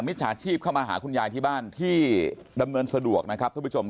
จฉาชีพเข้ามาหาคุณยายที่บ้านที่ดำเนินสะดวกนะครับทุกผู้ชม